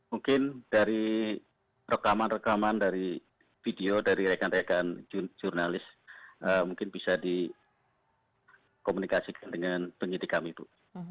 mungkin dari rekaman rekaman dari video dari rekan rekan jurnalis mungkin bisa dikomunikasikan dengan penyidik kami ibu